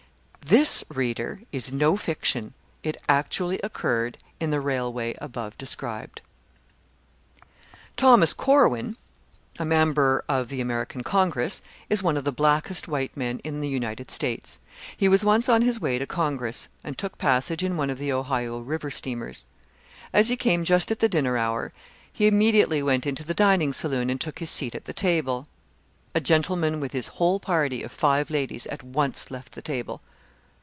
This, reader, is no fiction; it actually occurred in the railway above described. Thomas Corwin, a member of the American Congress, is one of the blackest white men in the United States. He was once on his way to Congress, and took passage in one of the Ohio river steamers. As he came just at the dinner hour, he immediately went into the dining saloon, and took his seat at the table. A gentleman with his whole party of five ladies at once left the table.